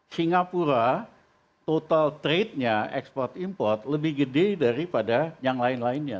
singapura total trade nya ekspor import lebih gede daripada yang lain lainnya